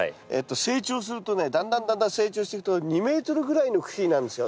成長するとねだんだんだんだん成長してくと２ｍぐらいの茎になるんですよ。